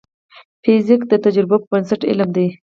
فزیک د تجربو پر بنسټ علم دی.